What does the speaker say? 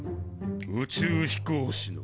宇宙飛行士の。